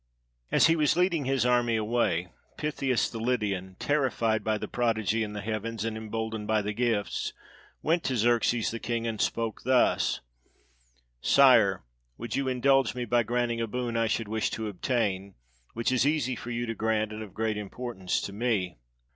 As he was leading his army away, Pythius the Lydian, terrified by the prodigy in the heavens, and emboldened by the gifts, went to Xerxes the king, and spoke thus: " Sire, would you indulge me by granting a boon I should wish to obtain, which is easy for you to grant, and of great importance to me."